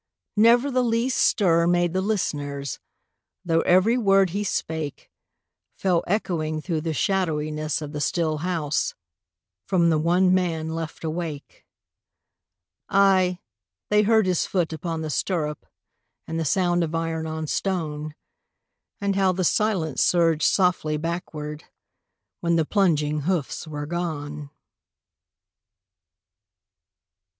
Never the least stir made the listeners, Though every word he spake Fell echoing through the shadowiness of the still house From the one man left awake: Aye, they heard his foot upon the stirrup, And the sound of iron on stone, And how the silence surged softly backward, When the plunging hoofs were gone.